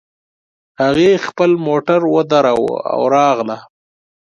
هغې خپلې موټر ودراوو او راغله